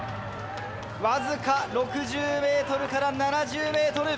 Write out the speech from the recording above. わずか６０ｍから７０ｍ。